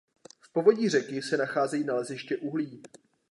V povodí řeky se nacházejí naleziště uhlí.